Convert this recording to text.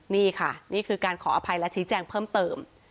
นี่ค่ะนี่คือการขออภัยและชี้แจงเพิ่มเติม